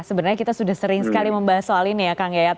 sebenarnya kita sudah sering sekali membahas soal ini ya kang yayat